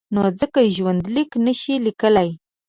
نو ځکه ژوندلیک نشي لیکلای.